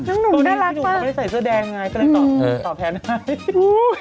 พอไม่ได้ใส่เสื้อแดงตัดอีกมีต่อแทนอ้ะ